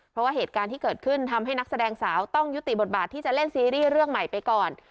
เพราะว่าเหตุการณ์ที่เกิดขึ้นทำให้นักแสดงสาวต้องยุติบทบาทที่จะเล่นซีรีส์เรื่องใหม่ไปก่อน